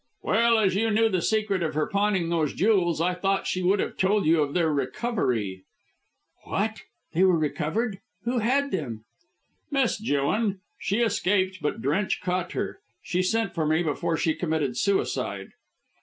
"Well, as you knew the secret of her pawning those jewels, I thought she would have told you of their recovery." "What! Were they recovered? Who had them?" "Miss Jewin. She escaped, but Drench caught her. She sent for me before she committed suicide."